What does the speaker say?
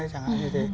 chẳng hạn như thế